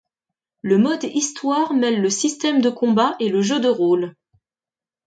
Le mode histoire mêle le système de combat et le jeu de rôle.